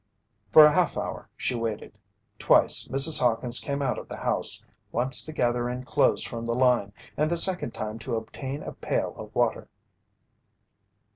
For a half hour she waited. Twice Mrs. Hawkins came out of the house, once to gather in clothes from the line and the second time to obtain a pail of water.